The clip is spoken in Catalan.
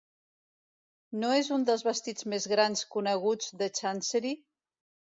No és un dels vestits més grans coneguts de Chancery?